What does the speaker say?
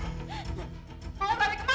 tante gak jahat kok ya